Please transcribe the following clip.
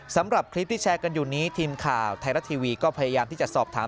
สำหรับคลิปที่แชร์กันอยู่นี้ทีมข่าวไทยรัฐทีวีก็พยายามที่จะสอบถาม